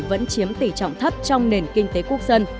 vẫn chiếm tỷ trọng thấp trong nền kinh tế quốc dân